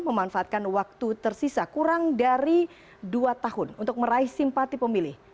memanfaatkan waktu tersisa kurang dari dua tahun untuk meraih simpati pemilih